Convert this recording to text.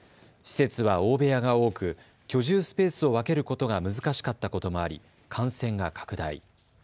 施設は大部屋が多く居住スペースを分けることが難しかったこともあり、感染が拡大。